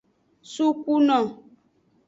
Sukuno.